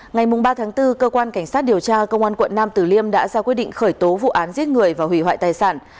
ngày ba tháng bốn cơ quan cảnh sát điều tra công an quận nam tử liêm đã ra quyết định khởi tố vụ án giết người và hủy hoại tài sản